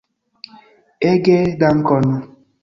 Ege dankon!